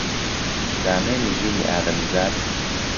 دامێنی ژینی ئادەمیزاد